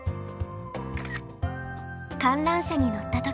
観覧車に乗った時。